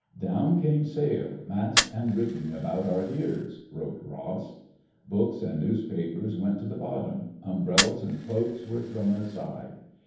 "Down came sail, mast, and rigging about our ears," wrote Ross. Books and newspapers went to the bottom ; umbrellas and cloaks were thrown aside.